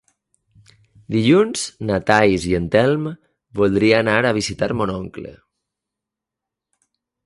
Dilluns na Thaís i en Telm voldria anar a visitar mon oncle.